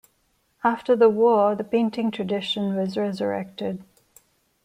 After the war the painting tradition was resurrected.